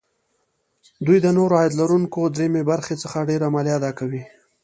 دوی د نورو عاید لرونکو دریم برخې څخه ډېره مالیه اداکوي